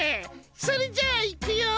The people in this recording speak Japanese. それじゃあ行くよ。